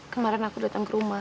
kemarin aku datang ke rumah